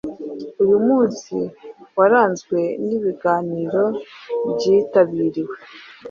Uyu munsi waranzwe n’ibiganiro byitabiriwe